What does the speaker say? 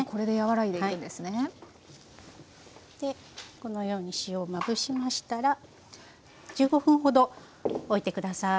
このように塩をまぶしましたら１５分ほどおいて下さい。